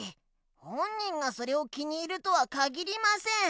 本人がそれを気に入るとはかぎりません。